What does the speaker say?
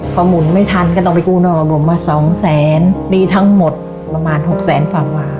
พอหมุนไม่ทันก็ต้องไปกู้นอกกลมมา๒แสนหนี้ทั้งหมดประมาณ๖แสนฝ